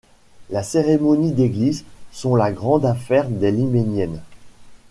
Les cérémonies d’église sont la grande affaire des Liméniennes.